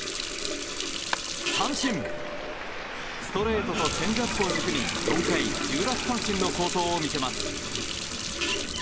ストレートとチェンジアップを軸に４回１０奪三振の好投を見せます。